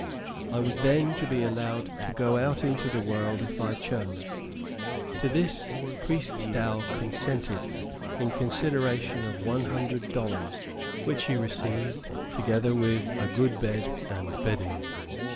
I was then to be allowed to go out into the world if I chose. To this, Priest Dow consented, in consideration of one hundred dollars, which he received, together with a good bed and bedding.